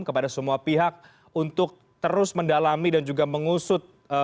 kepada semua pihak untuk terus mendalami dan juga mengusut